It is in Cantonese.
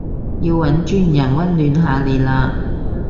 要搵專人溫暖下你嘞